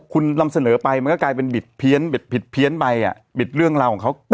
คุณนำเสนอไปมันก็กลายเป็นบิดเพี้ยนบิดเพี้ยนไปบิดเรื่องราวของเขา